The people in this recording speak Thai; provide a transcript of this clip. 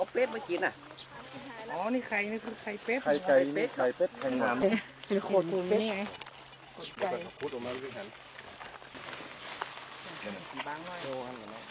ประมาทกี่เม็ดเดียว